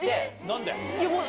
何で？